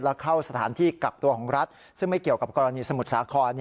และเข้าสถานที่กักตัวของรัฐซึ่งไม่เกี่ยวกับกรณีสมุทรสาคร